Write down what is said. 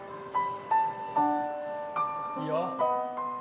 いいよ。